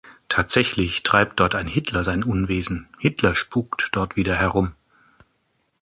Tatsächlich treibt dort ein Hitler sein Unwesen, Hitler spukt dort wieder herum.